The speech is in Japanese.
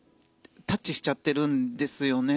タッチしちゃってるんですよね。